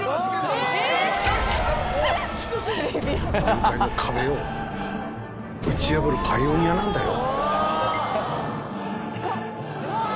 業界の壁を打ち破るパイオニアなんだよ